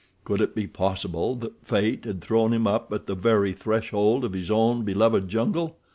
Could it be possible that fate had thrown him up at the very threshold of his own beloved jungle!